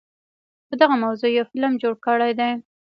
په دغه موضوع يو فلم جوړ کړے دے